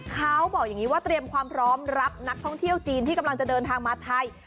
เขาบอกอย่างนี้ว่าเตรียมความพร้อมรับนักท่องเที่ยวจีนที่กำลังจะเดินทางมาไทย